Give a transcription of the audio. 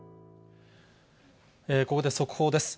ここで速報です。